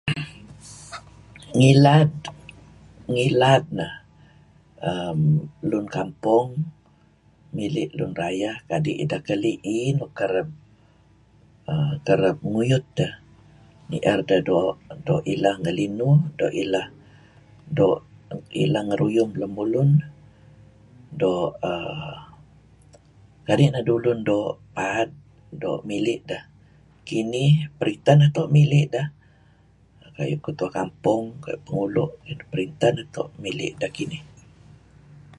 Ngilad, ngilad neh errm... lun kampong mili' lun rayeh kadi' ideh keli' iih nuk kereb err... kereb nguyut deh. Ni'er deh doo' ileh ngelinuh, doo' ileh doo' ileh ngeruyum lemulun, doo' err... kadi' neh dulun doo' paad, doo' mili' deh. Kinih, peritah neto' mili' deh, kayu' ketua kampong, Penghulo', peritah neto' mili' deh.